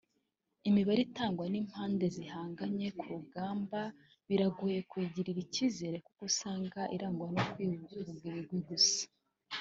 Imibare itangwa n’impande zihanganye ku rugamba biragoye kuyigirira icyizere kuko usanga irangwa no kwivuga ibigwi gusa